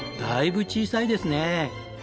だいぶ小さいですね。